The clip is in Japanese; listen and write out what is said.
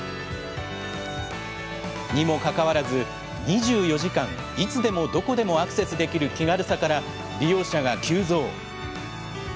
にもかかわらず２４時間いつでもどこでもアクセスできる気軽さから利用者が急増。